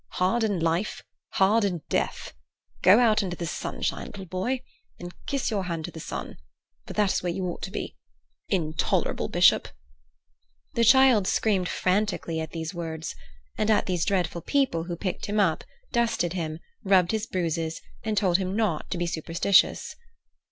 "Hard in life, hard in death. Go out into the sunshine, little boy, and kiss your hand to the sun, for that is where you ought to be. Intolerable bishop!" The child screamed frantically at these words, and at these dreadful people who picked him up, dusted him, rubbed his bruises, and told him not to be superstitious.